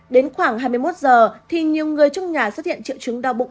đến khoảng hai mươi một giờ thì nhiều người trong nhà xuất hiện triệu chứng đau bụng